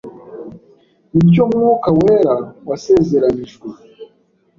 ni cyo Mwuka Wera wasezeranijwe